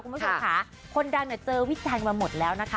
คุณผู้ชมค่ะคนดังเนี่ยเจอวิจัยมาหมดแล้วนะคะ